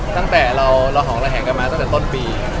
ตั้งแต่เราระหองระแหงกันมาตั้งแต่ต้นปี